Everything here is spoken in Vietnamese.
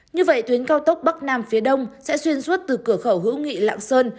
như vậy tuyến cao tốc bắc nam phía đông sẽ xuyên suốt từ cửa khẩu hữu nghị lạng sơn